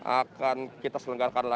akan kita selenggarkan